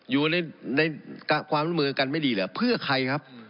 อยู่ในความฝึกกันไม่ดีหรือเพื่อใครครับ